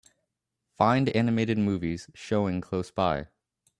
Find animated movies showing close by.